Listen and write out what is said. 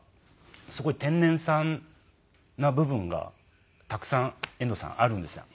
すごい天然さんな部分がたくさん遠藤さんあるんですよ。